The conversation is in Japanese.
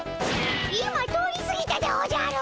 今通りすぎたでおじゃる！